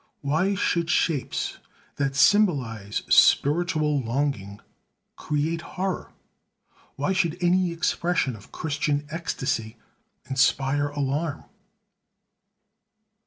Why should shapes that symbolize spiritual longing create horror? Why should any expression of Christian ecstasy inspire alarm?..."